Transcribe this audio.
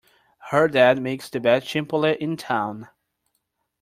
Her dad makes the best chipotle in town!